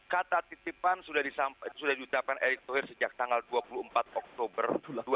kata titipan sudah ditetapkan erick thohir sejak tanggal dua puluh empat oktober dua ribu dua puluh